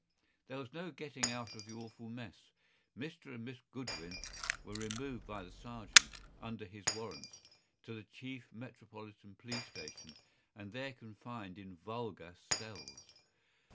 There was no getting out of the awful mess. Mr. and Miss Goodwin were removed by the sergeant, under his warrants, to the chief metropolitan police station, and there confined in vulgar cells.